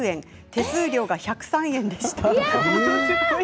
手数料が１０３円でした。